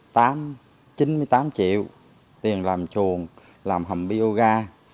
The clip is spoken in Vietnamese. chín mươi tám triệu tiền làm chuồng làm hầm bioga